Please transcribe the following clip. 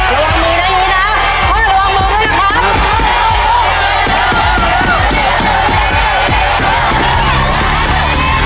ระวังมือได้อยู่นะ